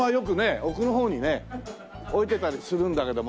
奥のほうにね置いてたりするんだけども。